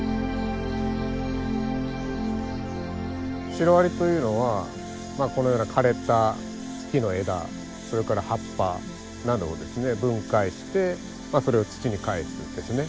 シロアリというのはこのような枯れた木の枝それから葉っぱなどをですね分解してそれを土に返すんですね。